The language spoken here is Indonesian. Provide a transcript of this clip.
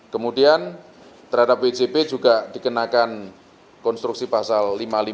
kemudian terhadap wjp juga dikenakan konstruksi pasal lima ribu lima ratus lima puluh enam